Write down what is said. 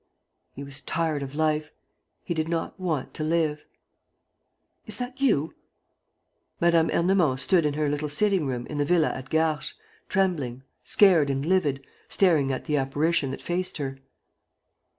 He was tired of life. He did not want to live. ..."Is that you?" Mme. Ernemont stood in her little sitting room in the villa at Garches, trembling, scared and livid, staring at the apparition that faced her.